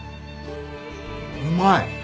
うまい！